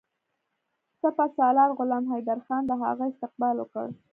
سپه سالار غلام حیدرخان د هغه استقبال وکړ.